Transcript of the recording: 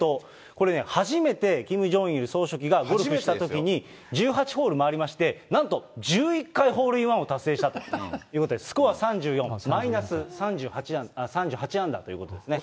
これね、初めてキム・ジョンイル総書記がゴルフしたときに、１８ホール回りまして、なんと１１回ホールインワンを達成したということで、スコア３４、マイナス３８アンダーということですね。